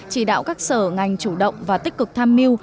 chỉ đạo các sở ngành chủ động và tích cực tham mưu